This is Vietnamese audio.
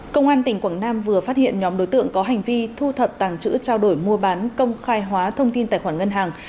công an tỉnh quảng nam vừa phát hiện nhóm đối tượng có hành vi thu thập tàng chữ trao đổi mua bán công khai hóa thông tin tài khoản ngân hàng